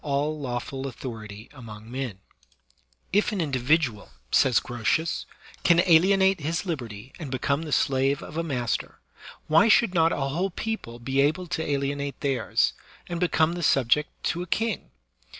8 THE SOCIAL CONTRACT If an individualy says Grotins, can alienate his liberty and become the slave of a master, why should not a whole people be able to alienate theirs, and become sub ject to a king?